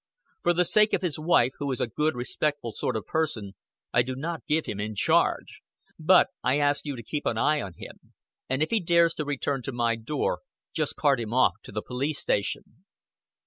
For the sake of his wife, who is a good respectful sort of person, I do not give him in charge. But I ask you to keep an eye on him. And if he dares to return to my door, just cart him off to the police station."